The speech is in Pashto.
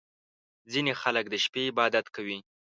• ځینې خلک د شپې عبادت کوي.